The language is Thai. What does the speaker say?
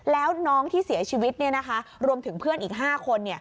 แล้วน้องที่เสียชีวิตรวมถึงเพื่อนอีก๕คน